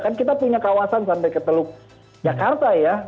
kan kita punya kawasan sampai ke teluk jakarta ya